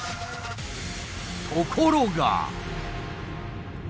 ところが。